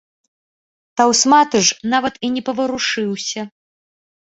Таўсматы ж нават і не паварушыўся.